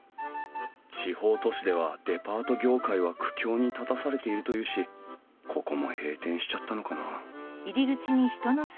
地方都市ではデパート業界は苦境に立たされているというしここも閉店しちゃったのかな？